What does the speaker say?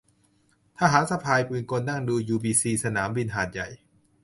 ทหารสะพายปืนกลนั่งดูยูบีซี สนามบินหาดใหญ่